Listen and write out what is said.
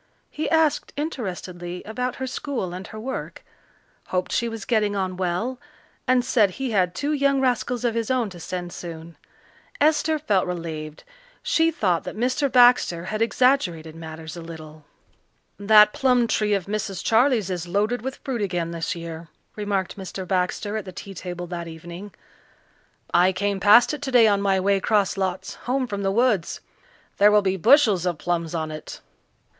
He asked interestedly about her school and her work, hoped she was getting on well, and said he had two young rascals of his own to send soon. Esther felt relieved. She thought that Mr. Baxter had exaggerated matters a little. "That plum tree of Mrs. Charley's is loaded with fruit again this year," remarked Mr. Baxter at the tea table that evening. "I came past it today on my way 'cross lots home from the woods. There will be bushels of plums on it."